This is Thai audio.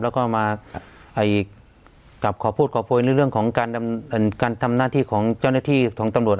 แล้วก็มากลับขอพูดขอโพยในเรื่องของการทำหน้าที่ของเจ้าหน้าที่ของตำรวจ